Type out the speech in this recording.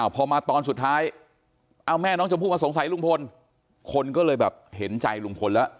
พอมาตอนสุดท้ายเอาแม่น้องชมพู่มาสงสัยลุงพลคนก็เลยแบบเห็นใจลุงพลแล้ว